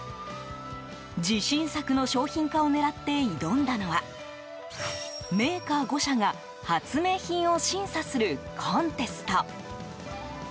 自信作の商品化を狙って挑んだのはメーカー５社が発明品を審査するコンテスト。